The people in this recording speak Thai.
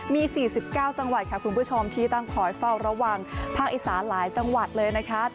มี๔๙จังหวัดค่ะคุณผู้ชมที่ต้องคอยเฝ้าระวังภาคอีสานหลายจังหวัดเลยนะคะ